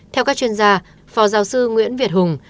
theo các chuyên gia phó giáo sư nguyễn việt hùng